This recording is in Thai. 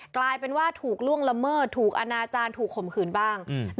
กลายเป็นว่าถูกล่วงละเมิดถูกอนาจารย์ถูกข่มขืนบ้าง